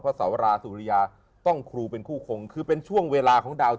สาวราสุริยาต้องครูเป็นคู่คงคือเป็นช่วงเวลาของดาว